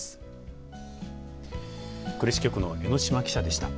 呉支局の榎嶋記者でした。